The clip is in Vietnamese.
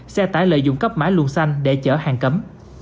xe tải lợi dụng cấp mã luồng xanh để chở hàng cấm